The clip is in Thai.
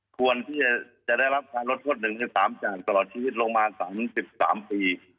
ควรที่จะได้รับการรดโทษหนึ่งเป็น๓จานตลอดชีวิตลงมา๓๓ปี